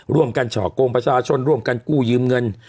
เฉาะโกงประชาชนร่วมกันกู้ยืมเงิน